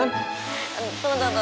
tunggu tunggu tunggu